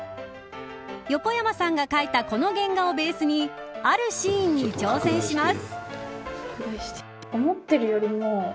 横山さんが描いたこの原画をベースにあるシーンに挑戦します。